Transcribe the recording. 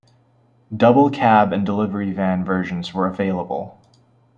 Double cab and delivery van versions were available.